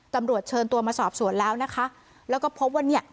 ตำรวจเชิญตัวมาสอบสวนแล้วนะคะแล้วก็พบว่าเนี่ย